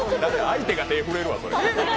相手が手震えるわ、それ。